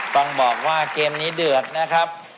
ต้องบอกว่าเกมนี้เดือดนะครับ